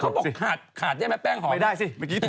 เขาบอกขาดได้ไหมแป้งหอม